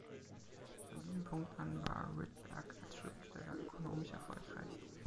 Von diesem Punkt an war Rydberg als Schriftsteller ökonomisch erfolgreich.